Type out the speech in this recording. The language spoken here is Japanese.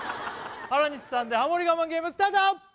原西さんでハモリ我慢ゲームスタート！